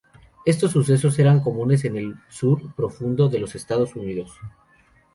Estos sucesos eran comunes en el sur profundo de los Estados Unidos.